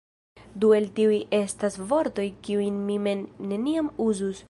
Du el tiuj estas vortoj, kiujn mi mem neniam uzus.